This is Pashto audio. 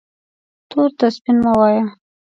تور ته سپین مه وایه